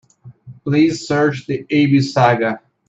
Please search the Abby saga.